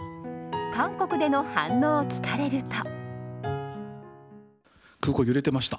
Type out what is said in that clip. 韓国での反応を聞かれると。